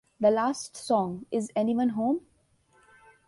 The last song, Is Anyone Home?